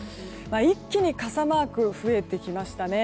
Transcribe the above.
一気に傘マークが増えてきましたね。